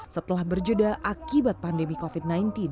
setelah berjeda akibat pandemi covid sembilan belas